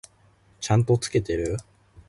ちゃんと付けてる？